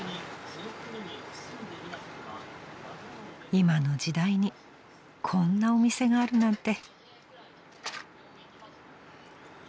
［今の時代にこんなお店があるなんて］